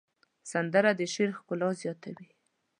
سندره د شعر ښکلا زیاتوي